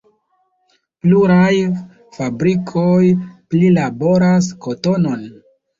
Pluraj fabrikoj prilaboras kotonon.